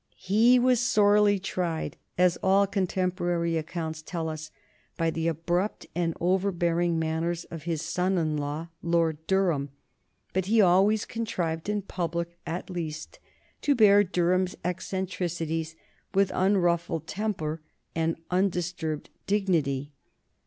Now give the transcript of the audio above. He was sorely tried, as all contemporary accounts tell us, by the abrupt and overbearing manners of his son in law, Lord Durham, but he always contrived, in public at least, to bear Durham's eccentricities with unruffled temper and undisturbed dignity.